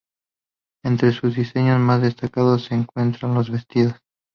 Entre sus diseños más destacados se encuentran los vestidos.